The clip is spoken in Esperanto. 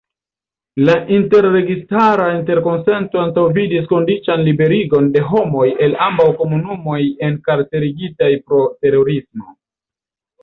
La interregistara interkonsento antaŭvidis kondiĉan liberigon de homoj el ambaŭ komunumoj enkarcerigitaj pro terorismo.